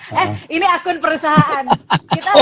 eh ini akun perusahaan